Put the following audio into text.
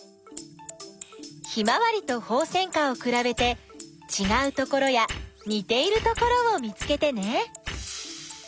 ヒマワリとホウセンカをくらべてちがうところやにているところを見つけてね。